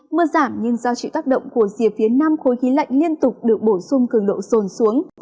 mưa giảm nhưng do chịu tác động của rìa phía nam khối khí lạnh liên tục được bổ sung cường độ rồn xuống